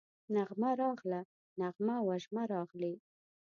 نغمه راغله، نغمه او وژمه راغلې